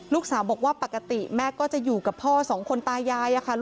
ลูกสาวบอกว่าปกติแม่ก็จะอยู่กับพ่อสองคนตายาย